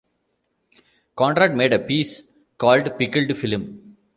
Conrad made a piece called "Pickled Film".